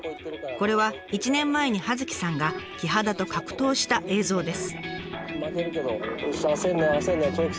これは１年前に葉月さんがキハダと格闘した映像です。